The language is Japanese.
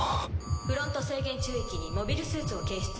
フロント制限宙域にモビルスーツを検出。